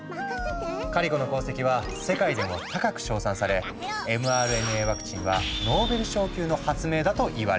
カリコの功績は世界でも高く賞賛されｍＲＮＡワクチンは「ノーベル賞級の発明！」だといわれている。